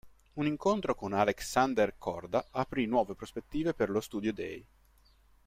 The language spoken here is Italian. Un incontro con Alexander Korda aprì nuove prospettive per lo studio Day.